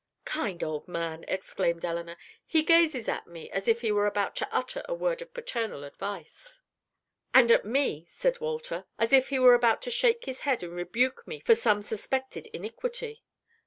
"Kind old man!" exclaimed Elinor. "He gazes at me as if he were about to utter a word of paternal advice." "And at me," said Walter, "as if he were about to shake his head and rebuke me for some suspected iniquity.